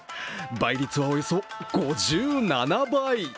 倍率はおよそ５７倍！